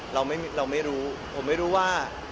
เราไม่รู้ผมไม่รู้ว่า